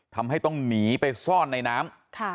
ทำให้ต้องหนีไปซ่อนในน้ำ